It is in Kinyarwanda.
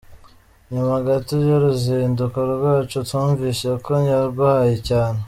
Nyuma gato y’uruzinduko rwacu, twumvise ko yarwaye cyane.